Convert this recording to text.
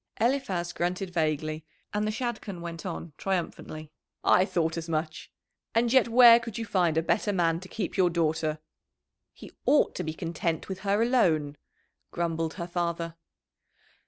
Eliphaz grunted vaguely, and the Shadchan went on triumphantly. "I thought as much. And yet where could you find a better man to keep your daughter?" "He ought to be content with her alone," grumbled her father.